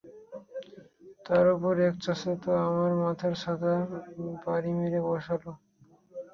তার উপর এক চাচা তো, আমার মাথায় ছাতার বাড়ি মেরে বসল।